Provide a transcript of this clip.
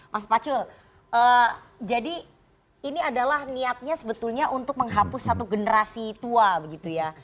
mas pacul jadi ini adalah niatnya sebetulnya untuk menghapus satu generasi tua begitu ya